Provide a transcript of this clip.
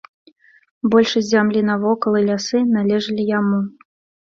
Большасць зямлі навокал і лясы належалі яму.